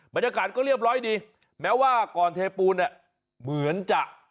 บรรยากาศก็เรียบร้อยดีแม้ว่าก่อนเทปูนเนี่ยเหมือนจะ